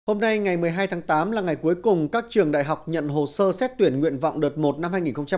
hôm nay ngày một mươi hai tháng tám là ngày cuối cùng các trường đại học nhận hồ sơ xét tuyển nguyện vọng đợt một năm hai nghìn hai mươi